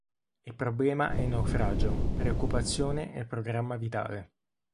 È problema e naufragio, preoccupazione e programma vitale.